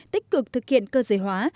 tích cực thực hiện cơ giới hóa